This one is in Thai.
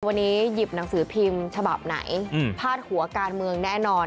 วันนี้หยิบหนังสือพิมพ์ฉบับไหนพาดหัวการเมืองแน่นอน